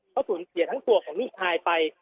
เขาสูญเสียทั้งตัวของลูกชายไป